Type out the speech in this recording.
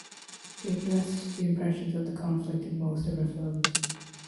She addressed the impressions of the conflict in most of her films.